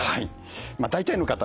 大体の方ね